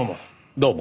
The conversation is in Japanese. どうも。